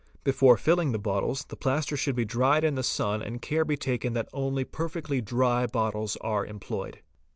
Before ' filling the bottles, the plaster should be dried in the sun and care be taken that only perfectly dry bottles are employed.